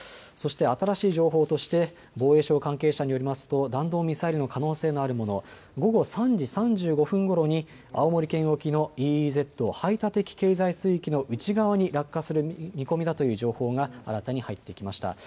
そして新しい情報として防衛省関係者によりますと弾道ミサイルの可能性があるものは午後３時３５分ごろに青森県沖のＥＥＺ・排他的経済水域の内側に落下するに見込みだという情報が新たに入ってきました。